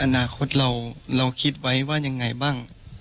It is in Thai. อนาคตเราคิดไว้ว่ายังไงบ้าง